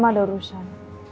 mama ada urusan